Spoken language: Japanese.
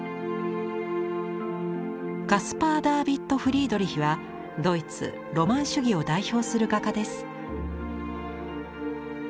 カスパー・ダーヴィト・フリードリヒはドイツロマン主義を代表する画家です。